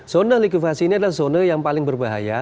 zona likupasi ini adalah zona yang paling berbahaya